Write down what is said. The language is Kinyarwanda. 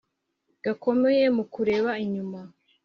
gakomeye mu kureba inyuma